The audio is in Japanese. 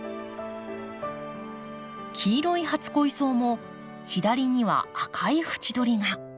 黄色い初恋草も左には赤い縁取りが。